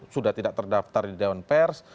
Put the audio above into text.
sudah tidak terdaftar di dewan pers